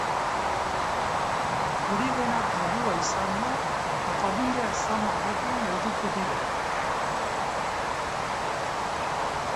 Hori dena tabua izan da, eta familiak zama horrekin gelditu dira.